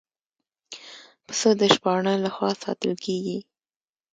پسه د شپانه له خوا ساتل کېږي.